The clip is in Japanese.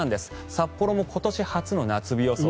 札幌も今年初の夏日予想。